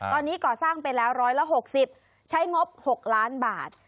ตอนนี้ก่อสร้างไปแล้ว๑๖๐ใช้งบ๖ล้านบาท